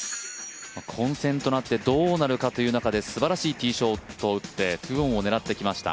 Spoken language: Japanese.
混戦となってどうなるかという中ですばらしいティーショットを打って２オンを狙ってきました。